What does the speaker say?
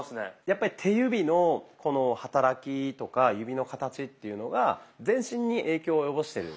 やっぱり手指のこの働きとか指の形っていうのが全身に影響を及ぼしてる。